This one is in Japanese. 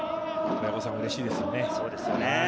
親御さんもうれしいですよね。